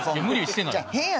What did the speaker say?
無理してない。